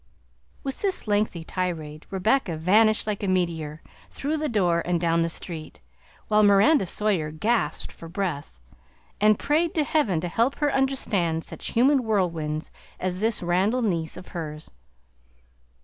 With this lengthy tirade Rebecca vanished like a meteor, through the door and down the street, while Miranda Sawyer gasped for breath, and prayed to Heaven to help her understand such human whirlwinds as this Randall niece of hers.